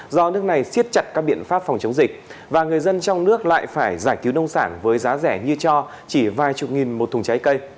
do nước này siết chặt các biện pháp phòng chống dịch và người dân trong nước lại phải giải cứu nông sản với giá rẻ như cho chỉ vài chục nghìn một thùng trái cây